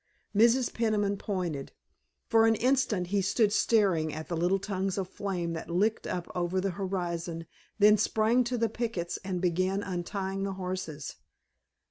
Mrs. Peniman pointed. For an instant he stood staring at the little tongues of flame that licked up over the horizon, then sprang to the pickets and began untying the horses.